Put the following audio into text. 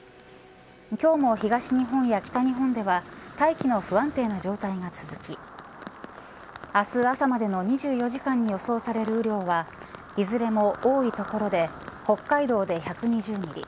今日も東日本や北日本では大気の不安定な状態が続き明日朝までの２４時間に予想される雨量はいずれも多い所で北海道で１２０ミリ